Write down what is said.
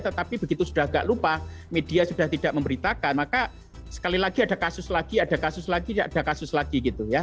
tetapi begitu sudah agak lupa media sudah tidak memberitakan maka sekali lagi ada kasus lagi ada kasus lagi tidak ada kasus lagi gitu ya